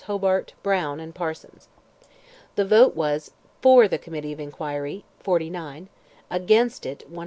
Hobart, Browne, and Parsons. The vote was, for the Committee of Inquiry, 49; against it, 121.